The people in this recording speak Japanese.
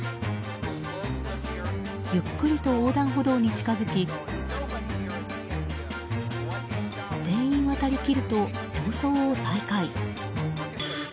ゆっくりと横断歩道に近づき全員渡りきると逃走を再開。